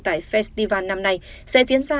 tại festival năm nay sẽ diễn ra